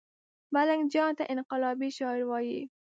ملنګ جان ته انقلابي شاعر وايي